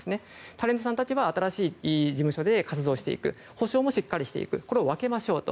タレントさんたちは新しい事務所で活動していく補償もしっかりしていくこれを分けましょうと。